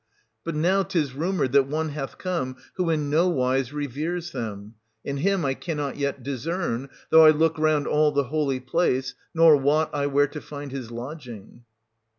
But now 'tis rumoured that one hath come who \n no wise reveres them ; and him I cannot yet discern, though I look round all the holy place, nor wot I where to find his lodging.